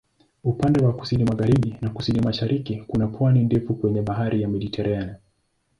Upande wa kusini-magharibi na kusini-mashariki kuna pwani ndefu kwenye Bahari ya Mediteranea.